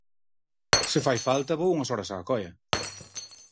Se fai falta, vou unhas horas á Coia.